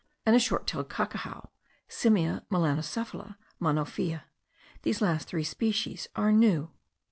and a short tailed cacajao. (* Simia melanocephala, mono feo. These last three species are new.)